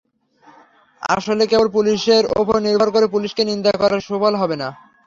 আসলে কেবল পুলিশের ওপর নির্ভর করে, পুলিশকে নিন্দা করে সুফল হবে না।